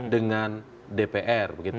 dengan dpr begitu